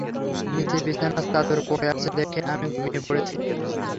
নিচে বিছানার চাদর পড়ে আছে দেখে, আমি ঘুমিয়ে পড়েছি।